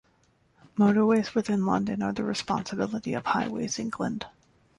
Motorways within London are the responsibility of Highways England.